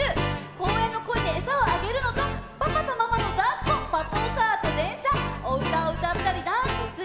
「公園のコイにエサをあげるのとパパとママの抱っこ」「パトカーと電車」「おうたをうたったりダンスする」